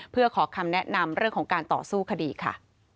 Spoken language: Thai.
เพื่อขอคำแนะนำเรื่องของการต่อสู้คดีค่ะ